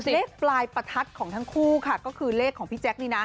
เลขปลายประทัดของทั้งคู่ค่ะก็คือเลขของพี่แจ๊คนี่นะ